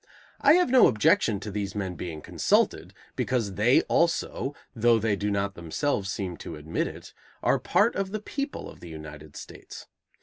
I have no objection to these men being consulted, because they also, though they do not themselves seem to admit it, are part of the people of the United States.